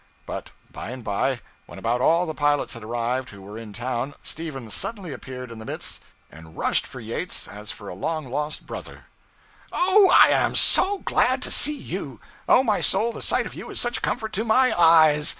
But by and by, when about all the pilots had arrived who were in town, Stephen suddenly appeared in the midst, and rushed for Yates as for a long lost brother. 'Oh, I am so glad to see you! Oh my soul, the sight of you is such a comfort to my eyes!